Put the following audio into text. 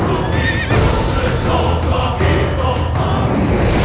kau pasti takut melihat jangkau